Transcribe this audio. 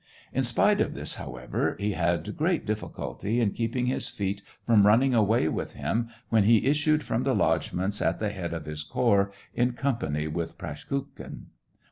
In spite of this, however, he had great difficulty in keeping his feet from running away with him when he issued from the lodgements at the head of his corps, in company with Praskukhin.